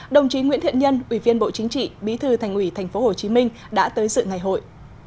đồng chí nguyễn thiện nhân ủy viên bộ chính trị bí thư thành ủy tp hcm đã tới sự ngày hội